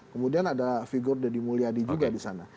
kemudian ada figur deddy mulyadi juga di sana